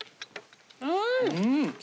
うん！